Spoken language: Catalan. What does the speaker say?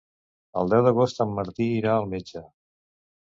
El deu d'agost en Martí irà al metge.